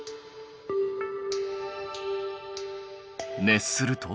熱すると？